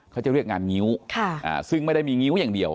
เขาจะเรียกงานงิ้วซึ่งไม่ได้มีงิ้วอย่างเดียว